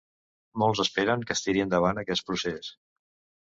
Molts esperen que es tiri endavant aquest procés.